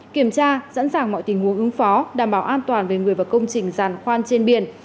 kiểm tra sẵn sàng mọi tình huống ứng phó đảm bảo an toàn về người và công trình giàn khoan trên biển